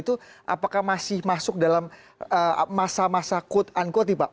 itu apakah masih masuk dalam masa masa quote unquote nih pak